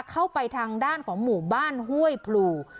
เข้าไปทางด้านของหมู่บ้านห้วยพลู